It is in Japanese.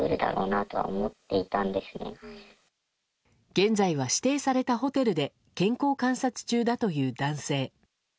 現在は指定されたホテルで健康観察中だという男性。